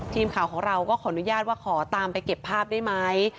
ทีมข่าวของเราก็ขออนุญาตว่าขอตามไปเก็บภาพได้ไหม